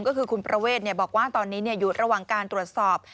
ก็คือคุณประเวทบอกว่าตอนนี้อยู่ระหว่างการตรวจสอบ